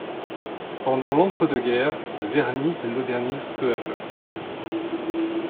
Pendant l’entre-deux-guerres, Verny se modernise peu à peu.